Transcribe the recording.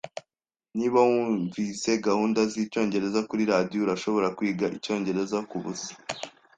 Niba wunvise gahunda zicyongereza kuri radio, urashobora kwiga icyongereza kubusa.